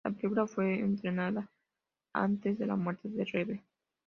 La película fue estrenada antes de la muerte de Reeve.